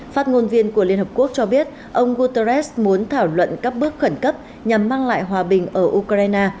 phát ngôn viên của liên hợp quốc cho biết ông guterres muốn thảo luận các bước khẩn cấp nhằm mang lại hòa bình ở ukraine